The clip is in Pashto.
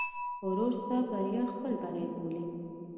ورور ستا بریا خپل بری بولي.